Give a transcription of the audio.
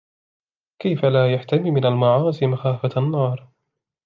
كَيْفَ لَا يَحْتَمِي مِنْ الْمَعَاصِي مَخَافَةَ النَّارِ